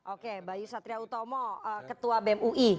oke mbak yusatria utomo ketua bem ui